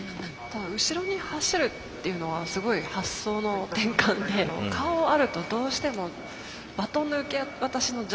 後ろに走るっていうのはすごい発想の転換で顔あるとどうしてもバトンの受け渡しの邪魔になるんですよ。